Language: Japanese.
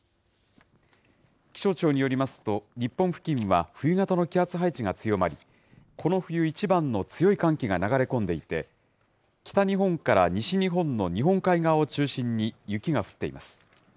気象庁によりますと、日本付近は冬型の気圧配置が強まり、この冬一番の強い寒気が流れ込んでいて、北日本から西日本の日本海側を中心に雪が降っています。